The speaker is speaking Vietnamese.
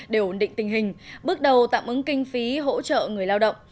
để ổn định tình hình bước đầu tạm ứng kinh phí hỗ trợ người lao động